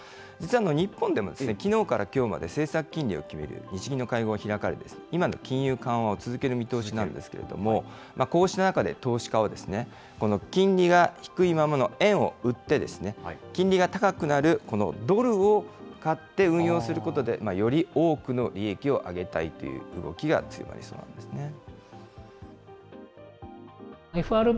実は日本でも、きのうからきょうまで、政策金利を決める日銀の会合が開かれて、今の金融緩和を続ける見通しなんですけれども、こうした中で投資家は、この金利が低いままの円を売って、金利が高くなるドルを買って運用することで、より多くの利益を上げたいという動きが強まりそうなんですね。